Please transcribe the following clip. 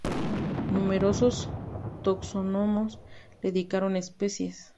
Numerosos taxónomos le dedicaron especies.